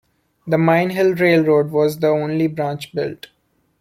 The Mine Hill Railroad was the only branch built.